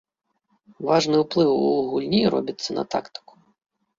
Важны ўплыў у гульні робіцца на тактыку.